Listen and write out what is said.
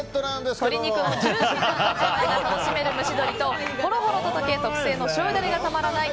鶏肉のジューシーさが楽しめる蒸し鶏とほろほろと溶け特製の醤油ダレがたまらない